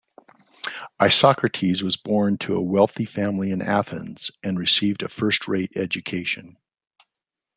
Isocrates was born to a wealthy family in Athens and received a first-rate education.